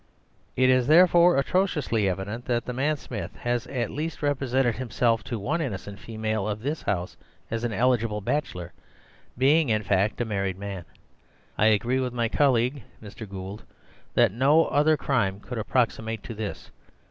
"It is therefore atrociously evident that the man Smith has at least represented himself to one innocent female of this house as an eligible bachelor, being, in fact, a married man. I agree with my colleague, Mr. Gould, that no other crime could approximate to this.